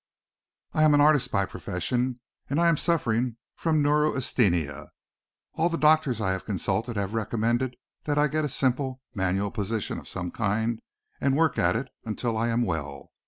I am an artist by profession and I am suffering from neurasthenia. All the doctors I have consulted have recommended that I get a simple, manual position of some kind and work at it until I am well.